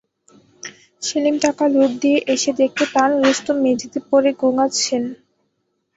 সেলিম টাকা লোড দিয়ে এসে দেখতে পান রুস্তম মেঝেতে পড়ে গোঙাচ্ছেন।